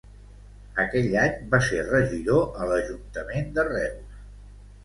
Aquell any va ser regidor a l'Ajuntament de Reus.